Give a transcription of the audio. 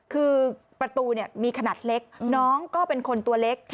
คือประตูมีขนาดเล็กน้องก็เป็นคนตัวเล็ก